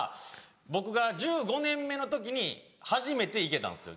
僕が１５年目の時に初めて行けたんですよ